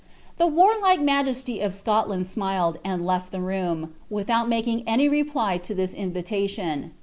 The wariike majesty of Scotland smiled, and left the room, without making any reply to this invitation.